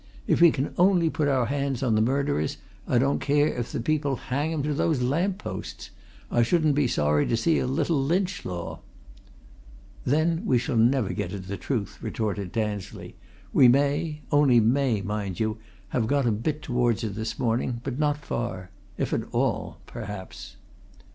If we can only put our hands on the murderers, I don't care if the people hang 'em to those lamp posts! I shouldn't be sorry to see a little lynch law!" "Then we shall never get at the truth," retorted Tansley. "We may only may, mind you! have got a bit towards it this morning, but not far. If at all perhaps!"